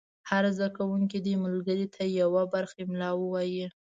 هر زده کوونکی دې ملګري ته یوه برخه املا ووایي.